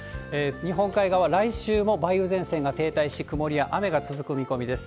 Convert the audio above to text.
日本海側、来週も梅雨前線が停滞し、曇りや雨が続く見込みです。